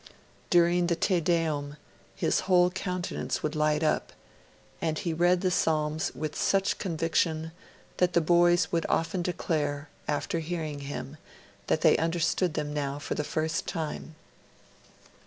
During the Te Deum, his whole countenance would light up; and he read the Psalms with such conviction that boys would often declare, after hearing him, that they understood them now for the first time.